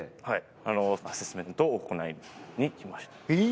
アセスメントを行いに来ましえー！